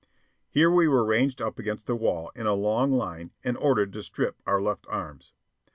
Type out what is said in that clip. Here we were ranged up against the wall in a long line and ordered to strip our left arms.